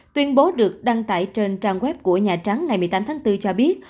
tuyên bố được đăng tải trên trang web của nhà trắng ngày một mươi tám tháng bốn cho biết